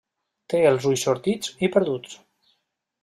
Té els ulls sortits i perduts.